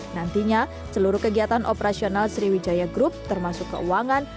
nantinya seluruh kegiatan operasional sriwijaya group termasuk keuangan